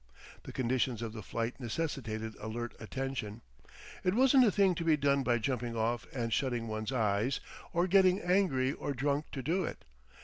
The conditions of the flight necessitated alert attention; it wasn't a thing to be done by jumping off and shutting one's eyes or getting angry or drunk to do it.